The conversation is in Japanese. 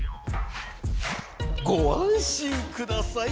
ご安心ください